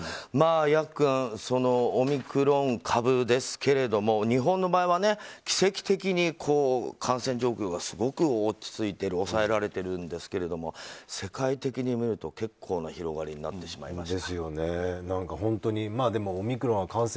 ヤックンオミクロン株ですけれども日本の場合は奇跡的に感染状況がすごく落ち着いている抑えられているんですけれども世界的にみると結構な広がりになってしまいました。